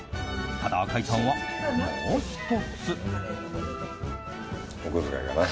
ただ、赤井さんはもう１つ。